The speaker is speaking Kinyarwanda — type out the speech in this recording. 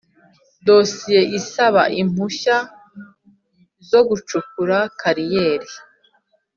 Dosiye isaba impushya zo gucukura kariyeri